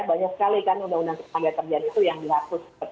banyak sekali kan undang undang tenaga kerja itu yang dihapus